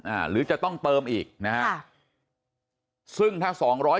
อ่าหรือจะต้องเติมอีกอ่าซึ่งถ้า๒๗๔